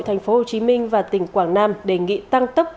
tp hồ chí minh và tỉnh quảng nam đề nghị tăng tấp